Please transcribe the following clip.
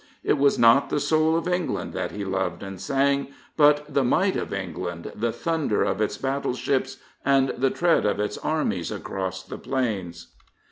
It was not the soul of England that he loved and sang, but the might of England, the thunder of its battleships and the tread of its armies across the plains.